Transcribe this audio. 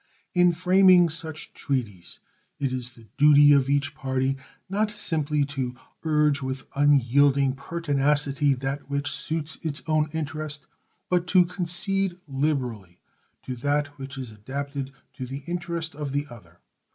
In framing such treaties it is the duty of each party not simply to urge with unyielding pertinacity that which suits its own interest, but to concede liberally to that which is adapted to the interest of the other.